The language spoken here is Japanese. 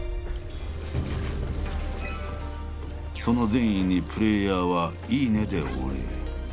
その善意にプレーヤーは「いいね」でお礼。